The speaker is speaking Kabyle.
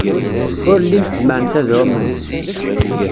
Ur llint zemrent ad ɛument.